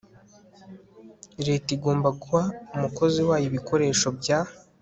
Leta igomba guha umukozi wayo ibikoresho bya